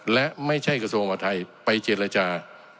และไม่ใช่กระทรวงมหาทัยไปเจรจา